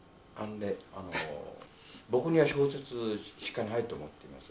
僕には小説しかないと思っています。